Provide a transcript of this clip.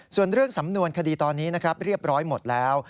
ส่วนเรื่องสำนวนคดีตอนนี้นะครับเรียบร้อยหมดแล้ว